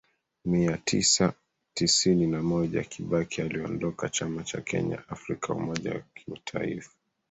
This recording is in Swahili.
mia tisa tisini na moja Kibaki aliondoka chama cha Kenya Afrika umoja wa kitaifa